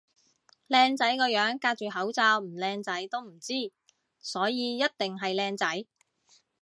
靚仔個樣隔住口罩唔靚仔都唔知，所以一定係靚仔